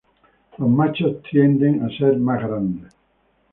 Los machos tienden a ser más grandes.